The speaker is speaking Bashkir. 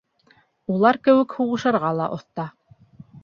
Улар кеүек һуғышырға ла оҫта.